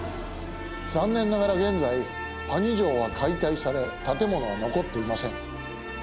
残念ながら現在萩城は解体され建物は残っていません。